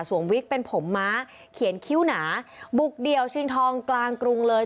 วิกเป็นผมม้าเขียนคิ้วหนาบุกเดี่ยวชิงทองกลางกรุงเลย